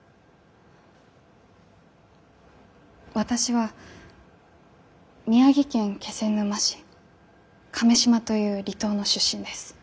私は宮城県気仙沼市亀島という離島の出身です。